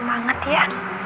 kamu semangat ya